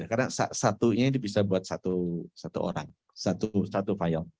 karena satunya bisa buat satu orang satu file